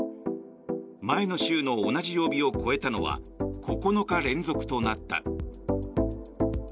前の週の同じ曜日を超えたのは９日連続となった。